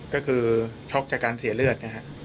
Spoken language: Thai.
ก็คือช็อกจากการเสียเลือด